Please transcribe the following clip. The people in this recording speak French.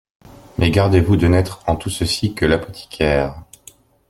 Mais gardez-vous de n'être, en tout ceci, que l'apothicaire.